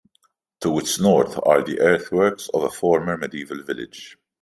To its north are the earthworks of a former medieval village.